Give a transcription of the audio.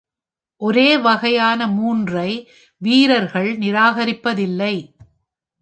ஒரே வகையான மூன்றை வீரர்கள் நிராகரிப்பதில்லை.